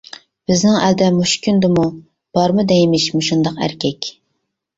بىزنىڭ ئەلدە مۇشۇ كۈندىمۇ، بارمۇ دەيمىش مۇشۇنداق ئەركەك.